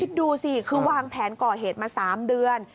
ดูสิคือวางแผนก่อเหตุมา๓เดือน